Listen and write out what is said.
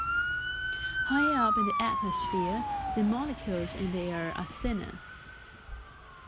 Higher up in the atmosphere, the molecules in the air are thinner.